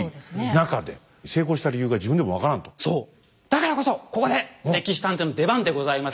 だからこそここで「歴史探偵」の出番でございます。